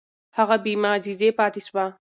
هغه بې معجزې پاتې شوه.